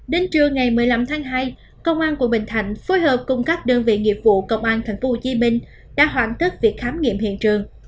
đến trưa ngày một mươi năm tháng hai công an quận bình thạnh phối hợp cùng các đơn vị nghiệp vụ công an tp hcm đã hoàn tất việc khám nghiệm hiện trường